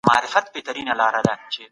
بهرنی سیاست د هیواد لپاره د وقار نښه ده.